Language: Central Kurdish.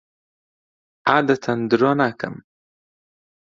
عادەتەن درۆ ناکەم.